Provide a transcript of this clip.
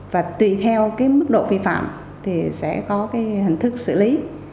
và tùy theo cái mức độ vi phạm thì sẽ có cái hình thức xử lý